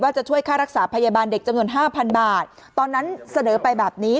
จะช่วยค่ารักษาพยาบาลเด็กจำนวนห้าพันบาทตอนนั้นเสนอไปแบบนี้